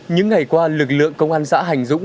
những ngày qua lực lượng công an xã hành dũng